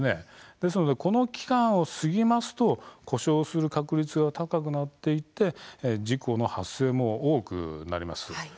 ですのでこの期間を過ぎますと故障する確率が高くなっていって事故の発生も多くなります。